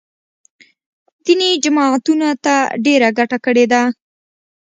دیني جماعتونو ته ډېره ګټه کړې ده